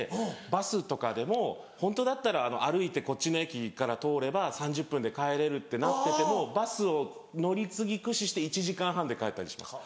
バスとかでもホントだったら歩いてこっちの駅から通れば３０分で帰れるってなっててもバスを乗り継ぎ駆使して１時間半で帰ったりします。